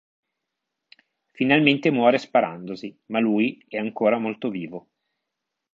Finalmente muore sparandosi, ma lui è ancora molto vivo.